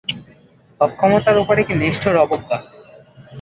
অক্ষমতার উপরে কী নিষ্ঠুর অবজ্ঞা!